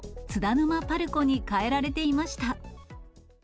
ぬまパルコに変えられていました。